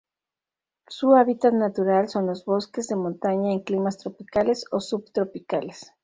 Su hábitat natural son los bosques de montaña en climas tropicales o subtropicales.